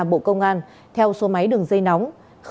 bộ công an theo số máy đường dây nóng